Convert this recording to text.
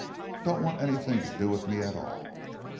Don't want anything to do with me at all?"